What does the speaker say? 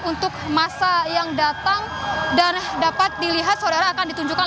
untuk masa yang datang dan dapat dilihat saudara akan ditunjukkan